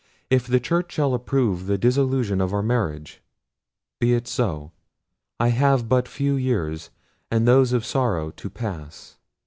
If the Church shall approve the dissolution of our marriage, be it so—I have but few years, and those of sorrow, to pass.